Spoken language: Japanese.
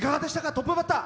トップバッター。